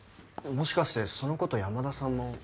もしかしてそのこと山田さんも。